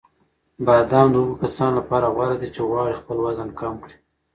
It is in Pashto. بادام د هغو کسانو لپاره غوره دي چې غواړي خپل وزن کم کړي.